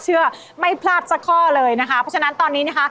เพราะฉะนั้นตอนนี้นี่ค่ะ